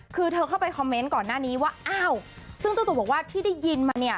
คือเธอเข้าไปคอมเมนต์ก่อนหน้านี้ว่าอ้าวซึ่งเจ้าตัวบอกว่าที่ได้ยินมาเนี่ย